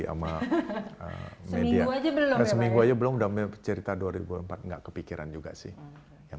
sama media aja belum seminggu aja belum damai cerita dua ribu empat enggak kepikiran juga sih yang